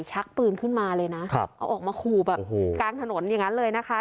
ชักปืนขึ้นมาเลยนะเอาออกมาขู่แบบกลางถนนอย่างนั้นเลยนะคะ